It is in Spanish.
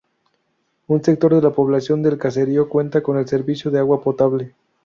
Un sector de la población del caserío cuenta con el servicio de agua potable.